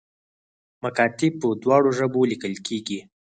مکاتیب په دواړو ژبو لیکل کیږي